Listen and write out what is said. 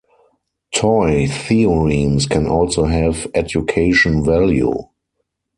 Toy theorems can also have education value.